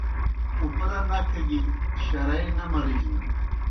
اُپرہ نکھہ گیُ شرائے نہ مرجنَن